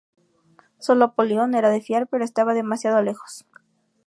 Sólo Polión era de fiar, pero estaba demasiado lejos.